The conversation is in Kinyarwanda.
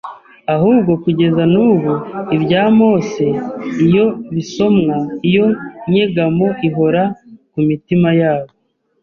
Ahubwo kugeza n’ubu ibya Mose iyo bisomwa iyo nyegamo ihora ku mitima yabo,